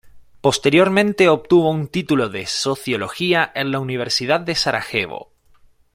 Posteriormente, obtuvo un título en Sociología en la Universidad de Sarajevo.